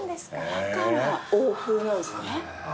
だから欧風なんですね。